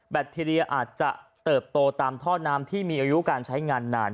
ทีเรียอาจจะเติบโตตามท่อน้ำที่มีอายุการใช้งานนาน